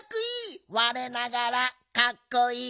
われながらかっこいい。